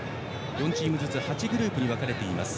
４チームずつ８グループに分かれています。